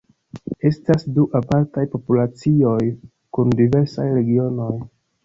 Estas du apartaj populacioj kun diversaj regionoj.